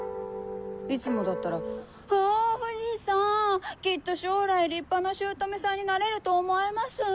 いつもだったら「う！藤さんきっと将来立派な姑さんになれると思いますぅ！